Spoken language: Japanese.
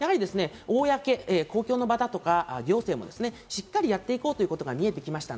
公、公共の場とか、行政、しっかりやって行こうということが見えてきました。